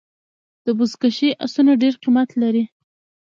د بزکشۍ آسونه ډېر قیمت لري.